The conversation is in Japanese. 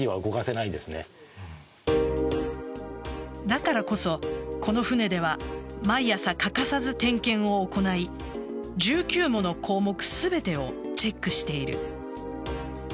だからこそ、この船では毎朝欠かさず点検を行い１９もの項目全てをチェックしている。